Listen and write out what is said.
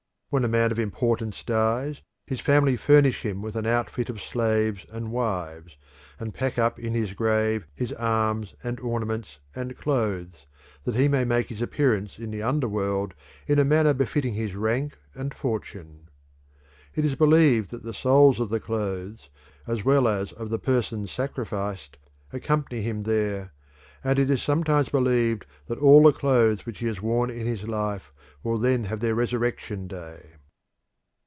When a man of importance dies his family furnish him with an outfit of slaves and wives, and pack up in his grave his arms and ornaments and clothes, that he may make his appearance in the under world in a manner befitting his rank and fortune. It is believed that the souls of the clothes, as well as of the persons sacrificed, accompany him there, and it is sometimes believed that all the clothes which he has worn in his life will then have their resurrection day.